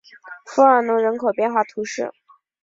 弗尔农人口变化图示